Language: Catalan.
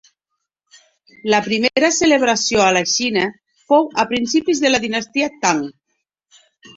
La primera celebració a la Xina fou a principis de la dinastia Tang.